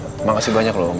terima kasih banyak om